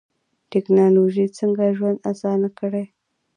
ټکنالوژي څنګه ژوند اسانه کړی؟